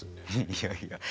いやいや。